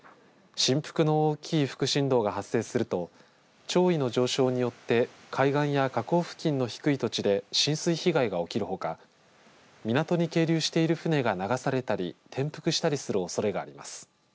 振幅の大きい副振動が発生すると潮位の上昇によって海岸や河口付近の低い土地で浸水被害が起きるほか港に係留している船が流されたり転覆したりするおそれがあります。